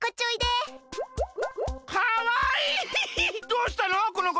どうしたの？